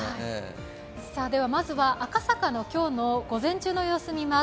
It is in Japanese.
まずは赤坂の今日の午前中の様子を見ます。